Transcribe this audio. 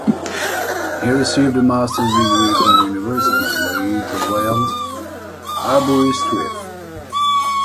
He received a Master's degree from the University College of Wales, Aberystwyth.